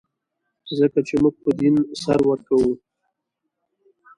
ځکه چې موږ په دین سر ورکوو.